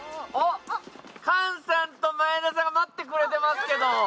菅さんと前田さんが待ってくれてますけど。